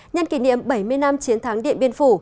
nhân kỷ niệm bảy mươi năm chiến thắng điện biên phủ